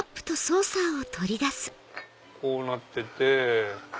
こうなってて。